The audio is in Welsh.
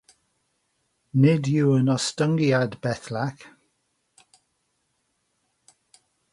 Nid yw'n ostyngiad bellach!